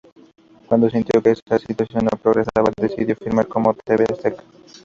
Cuando sintió que esa situación no progresaba, decidió firmar con Tv Azteca.